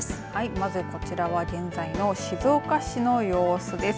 まず、こちらは現在の静岡市の様子です。